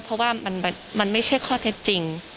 เพราะว่ามันไม่ใช่ข้อเท็จจริง